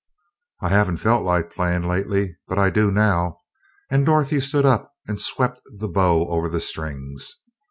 "I haven't felt like playing lately, but I do now," and Dorothy stood up and swept the bow over the strings.